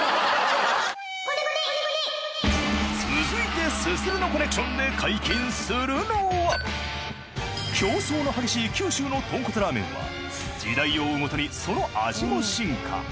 続いてＳＵＳＵＲＵのコネクションで解禁するのは競争の激しい九州の豚骨ラーメンは時代を追うごとにその味も進化